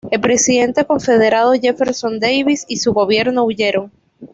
El presidente confederado Jefferson Davis y su gobierno huyeron.